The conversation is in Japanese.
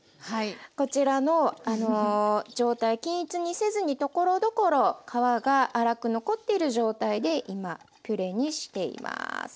こちらのあの状態均一にせずにところどころ皮が粗く残っている状態で今ピュレにしています。